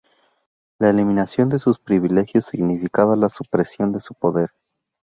La eliminación de sus privilegios significaba la supresión de su poder.